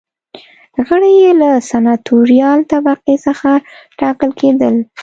غړي یې له سناتوریال طبقې څخه ټاکل کېدل.